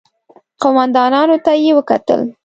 قوماندانانو ته يې وکتل.